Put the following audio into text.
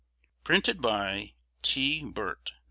Printed by T. BIRT, No.